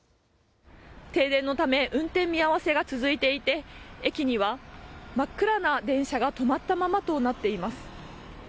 停電のため運転見合わせが続いていて駅には真っ暗な電車が止まったままとなっています。